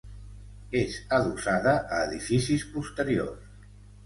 És adossada a edificis posteriors.